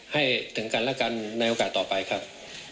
ให้ถึงกันและกันในโอกาสต่อไปครับ